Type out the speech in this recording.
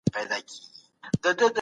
نړيوالي مرستي باید په شفاف ډول ولګول سي.